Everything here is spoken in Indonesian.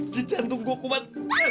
jijan tunggu aku mat